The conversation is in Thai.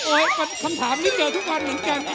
โอ้ยคำถามนี้เจอทุกวันเหรอไง